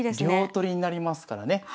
両取りになりますからね。